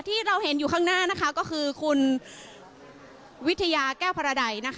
ที่เราเห็นอยู่ข้างหน้านะคะก็คือคุณวิทยาแก้วพระใดนะคะ